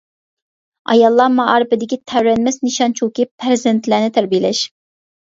ئاياللار مائارىپىدىكى تەۋرەنمەس نىشان شۇكى، پەرزەنتلەرنى تەربىيەلەش.